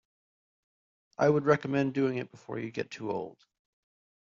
I would recommend doing it before you get too old.